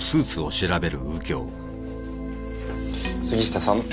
杉下さん